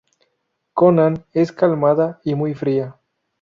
Konan es calmada y muy fría.